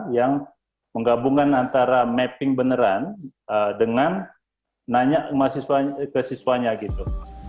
yang menggabungkan antara mapping beneran dengan nanya ke siswanya gitu